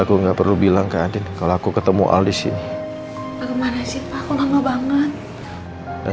aku nggak perlu bilang ke adin kalau aku ketemu alis ini bagaimana sih aku lama banget dan